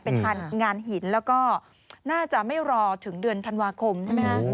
งานหินแล้วก็น่าจะไม่รอถึงเดือนธันวาคมใช่ไหมคะ